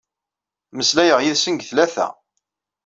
Mmeslayeɣ yid-sen deg tlata.